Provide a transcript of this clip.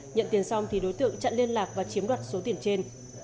nhận tiền xong thì đối tượng chặn liên lạc và chiếm đoạt số tiền trên